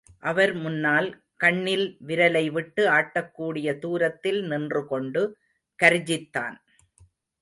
அவர் முன்னால், கண்ணில் விரலைவிட்டு ஆட்டக்கூடிய தூரத்தில் நின்று கொண்டு, கர்ஜித்தான்.